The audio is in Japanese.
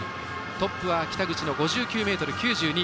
トップは北口の５９ｍ９２。